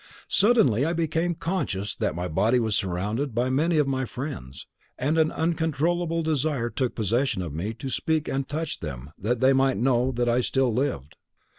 Suddenly I became conscious that my body was surrounded by many of my friends, and an uncontrollable desire took possession of me to speak and touch them that they might know that I still lived.